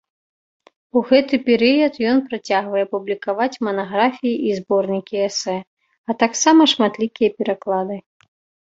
У гэты перыяд ён працягвае публікаваць манаграфіі і зборнікі эсэ, а таксама шматлікія пераклады.